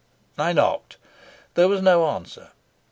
I knocked. There was no answer.